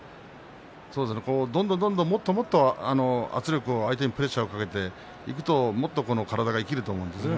どんどんどんどんもっと圧力を相手にプレッシャーをかけていくともっと体が生きると思うんですね